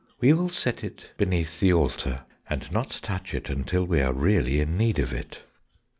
We will set it beneath the altar, and not touch it until we are really in need of it."